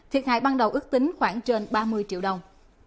thiệt hại ban đầu ước tính khoảng trên ba mươi triệu đồng